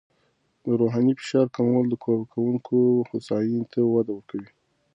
د رواني فشار کمول د کارکوونکو هوساینې ته وده ورکوي.